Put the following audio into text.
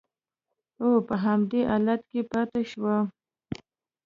او په همدې حالت کې پاتې شوه